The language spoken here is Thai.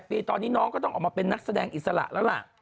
ปีตอนนี้น้องก็ต้องออกมาเป็นนักแสดงอิสระแล้วล่ะ